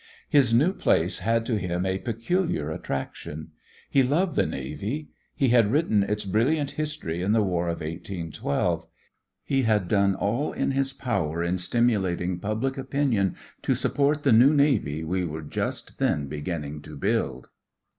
His new place had to him a peculiar attraction. He loved the Navy. He had written its brilliant history in the War of 1812. He had done all in his power in stimulating public opinion to support the "new Navy" we were just then beginning to build.